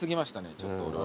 ちょっと俺は。